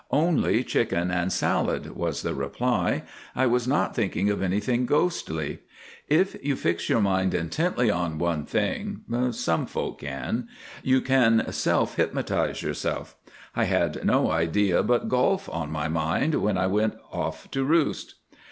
"Only chicken and salad," was the reply. "I was not thinking of anything ghostly. If you fix your mind intently on one thing, some folk can, you can self hypnotise yourself. I had no idea but golf in my mind when I went off to roost."